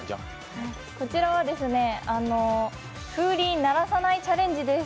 こちらは風鈴鳴らさないチャレンジです。